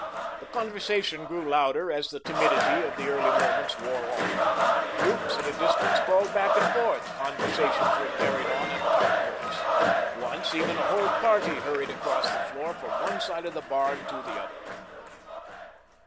The conversation grew louder as the timidity of the early moments wore off. Groups at a distance called back and forth; conversations were carried on at top voice. Once, even a whole party hurried across the floor from one side of the barn to the other.